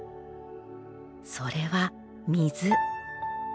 それは水。